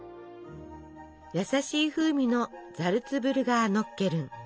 優しい風味のザルツブルガーノッケルン。